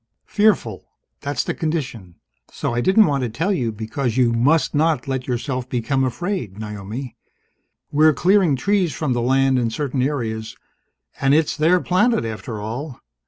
"Fearful. That's the condition. So I didn't want to tell you because you must not let yourself become afraid, Naomi. We're clearing trees from the land, in certain areas. And it's their planet, after all.